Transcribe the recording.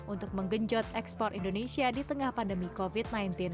untuk menggenjot ekspor indonesia di tengah pandemi covid sembilan belas